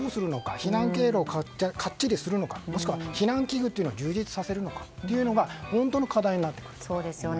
避難経路をかっちりするのかもしくは避難器具を充実させるかが本当の課題になってくるんですね。